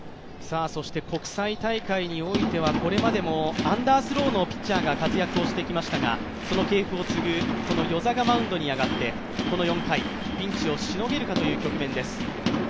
そして国際大会においてはこれまでもアンダースローのピッチャーが活躍をしてきましたが、その系譜を継ぐ、與座がマウンドに上がってこの４回、ピンチをしのげるかという局面です。